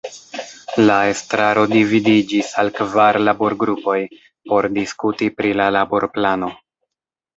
La estraro dividiĝis al kvar laborgrupoj por diskuti pri la laborplano.